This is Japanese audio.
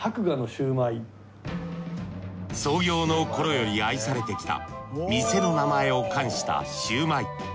創業の頃より愛されてきた店の名前を冠したシュウマイ。